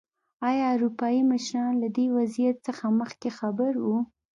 ایا اروپايي مشران له دې وضعیت څخه مخکې خبر وو.